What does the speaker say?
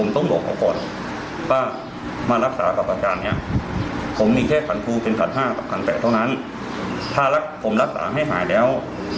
แต่เท่านั้นถ้าผมรักษาให้หายแล้ว